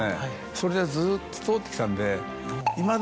それでずっと通ってきたんで。